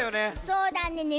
そうだねね